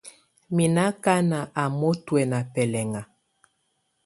Mɛ nɔ ákaná á mɔtɔ̀ána bɛlɛŋa.